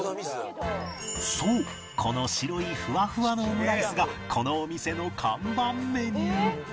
そうこの白いふわふわのオムライスがこのお店の看板メニュー